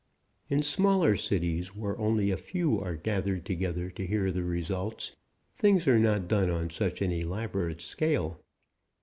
In smaller cities, where only a few are gathered together to hear the results, things are not done on such an elaborate scale.